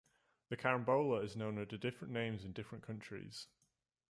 The carambola is known under different names in different countries.